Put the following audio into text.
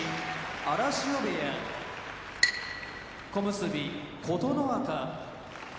荒汐部屋小結・琴ノ若